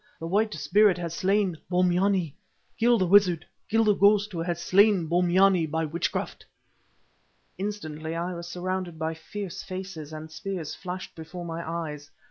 The White Spirit has slain Bombyane. Kill the wizard, kill the ghost who has slain Bombyane by witchcraft." Instantly I was surrounded by fierce faces, and spears flashed before my eyes.